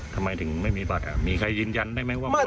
ทำไมถึงไม่มีบัตรมีใครยืนยันได้ไหมว่าบวชจริง